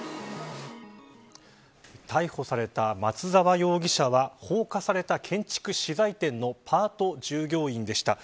逮捕された松沢容疑者は放火された建築資材店のパート従業員でした。